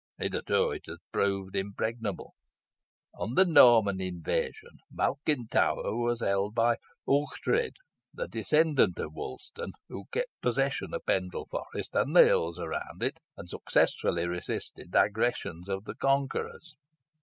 Hitherto it has proved impregnable. "On the Norman invasion, Malkin Tower was held by Ughtred, a descendant of Wulstan, who kept possession of Pendle Forest and the hills around it, and successfully resisted the aggressions of the conquerors.